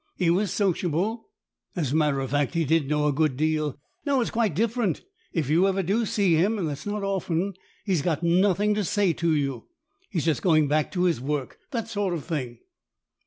He was sociable. As a matter of fact, he did know a good deal. Now it's quite different. If you ever do see him and that's not often he's got nothing to say to you. He's just going back to his work. That sort of thing."